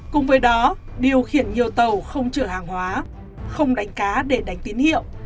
cùng với đó điều khiển nhiều tàu không chở hàng hóa không đánh cá để đánh tín hiệu